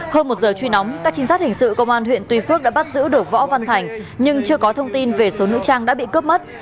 hơn một giờ truy nóng các trinh sát hình sự công an huyện tuy phước đã bắt giữ được võ văn thành nhưng chưa có thông tin về số nữ trang đã bị cướp mất